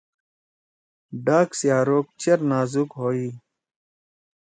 ڈاک سی ہروک چیر نازُک ہوئی۔